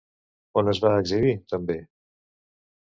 On es va exhibir, també?